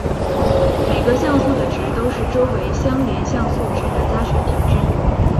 每个像素的值都是周围相邻像素值的加权平均。